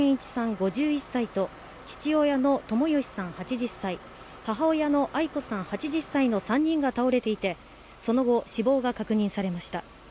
５１歳と、父親の友義さん８０歳、母親のアイ子さん８０歳の３人が倒れていて、その後、死亡が確認されました。